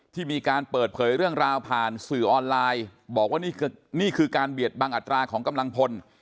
ที่มีการเปิดเผยเรื่องราวผ่านสื่อออนไลน์บอกว่านี่คือการเบียดบังอัตราของกำลังพล